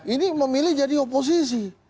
ini memilih jadi oposisi